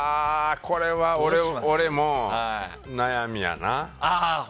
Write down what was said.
これは俺も悩みやな。